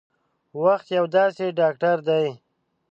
وخت یو داسې ډاکټر دی